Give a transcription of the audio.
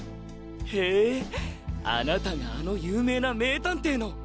へぇあなたがあの有名な名探偵の。